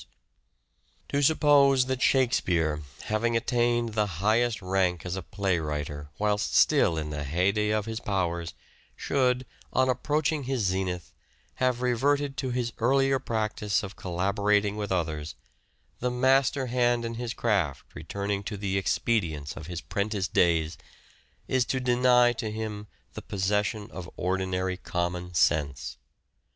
Geniuses To suppose that " Shakespeare," having attained t*16 highest rank as a play writer whilst still in the heyday of his powers, should, on approaching his zenith, have reverted to his earlier practice of collabora tion with others — the master hand in the craft returning to the expedients of his prentice days — is to deny to him the possession of ordinary common sense.